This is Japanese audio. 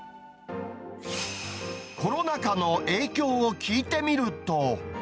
コロナ禍の影響を聞いてみると。